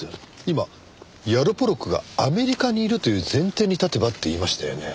今「ヤロポロクがアメリカにいるという前提に立てば」って言いましたよね？